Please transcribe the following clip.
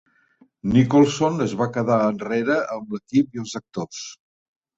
Nicholson es va quedar enrere amb l'equip i els actors.